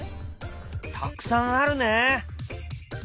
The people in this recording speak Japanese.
たくさんあるね。